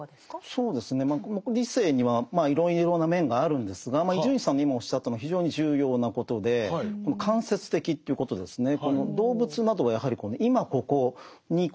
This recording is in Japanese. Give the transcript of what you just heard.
そうですねまあ理性にはいろいろな面があるんですが伊集院さんの今おっしゃったのは非常に重要なことでこの間接的ということですね。